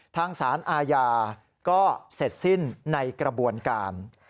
ทางสารอาญาก็เสร็จสิ้นในกระบวนการ